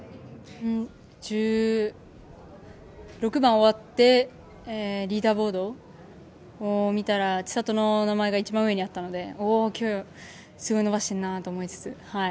１６番終わって、リーダーボードを見たら千怜の名前が一番上にあったので今日、すごい伸ばしてるなと思いつつ。